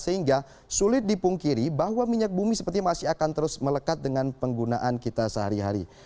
sehingga sulit dipungkiri bahwa minyak bumi sepertinya masih akan terus melekat dengan penggunaan kita sehari hari